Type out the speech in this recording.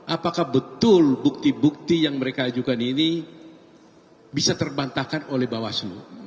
apakah betul bukti bukti yang mereka ajukan ini bisa terbantahkan oleh bawaslu